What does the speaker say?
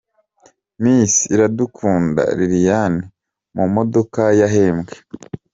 Miss Iradukunda Liliane mu modoka yahembwe.